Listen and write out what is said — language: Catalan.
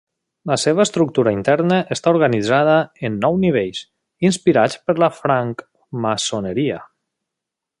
La seva estructura interna està organitzada en nou nivells, inspirats per la francmaçoneria.